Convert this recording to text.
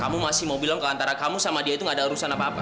kamu masih mau bilang antara kamu sama dia itu gak ada urusan apa apa